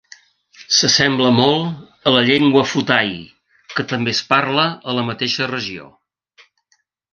S'assembla molt a la llengua Phuthai, que també es parla a la mateixa regió.